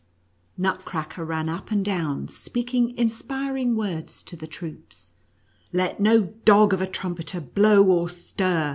Nutcracker ran up and down, speaking inspiring words to the troops —" Let no dog of a trumpeter blow or stir